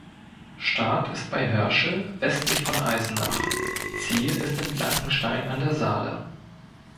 Start ist bei Hörschel westlich von Eisenach, Ziel ist in Blankenstein an der Saale.